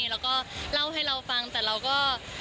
แล้วก็เล่าให้เราฟังแต่เราก็